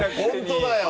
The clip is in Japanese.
本当だよ。